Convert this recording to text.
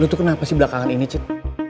lo tuh kenapa sih belakangan ini cid